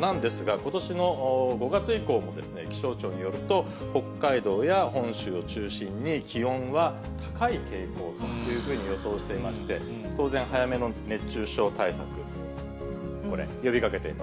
なんですが、ことしの５月以降も、気象庁によると、北海道や本州を中心に、気温は高い傾向というふうに予想していまして、当然早めの熱中症対策、これ、呼びかけています。